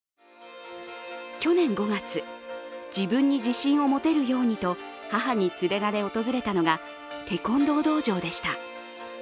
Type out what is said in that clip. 去年５月、自分に自信を持てるようにと母に連れられ訪れたのがテコンドー道場でした。